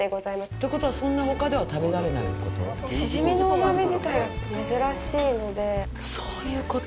ってことは、そんなほかでは食べられないってこと？